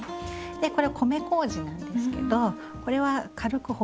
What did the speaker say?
でこれ米こうじなんですけどこれは軽くほぐして下さい。